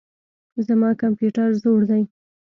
زما کمپيوټر زوړ دئ.